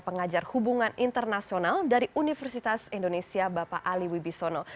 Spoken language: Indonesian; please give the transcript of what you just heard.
pengajar hubungan internasional dari universitas indonesia bapak ali wibisono